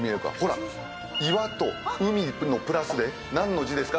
岩と海のプラスで何の字ですか？